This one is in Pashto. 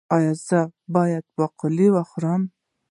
ایا زه باید باقلي وخورم؟